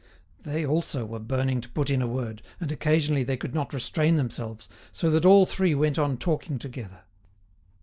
They also were burning to put in a word, and occasionally they could not restrain themselves, so that all three went on talking together.